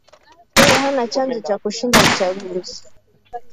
Yeye hana chanzo cha kushinda uchaguzi